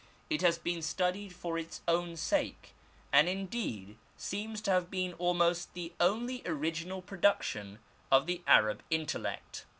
It has been studied for its own sake, and indeed seems to have been almost the only original production of the Arab intellect.